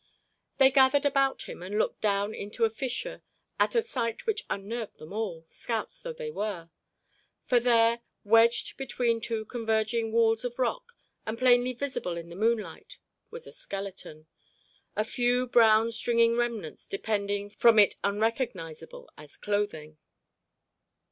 They gathered about him and looked down into a fissure at a sight which unnerved them all, scouts though they were. For there, wedged between the two converging walls of rock and plainly visible in the moonlight was a skeleton, the few brown stringing remnants depending from it unrecognizable as clothing.